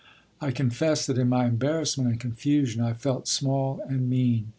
I confess that in my embarrassment and confusion I felt small and mean.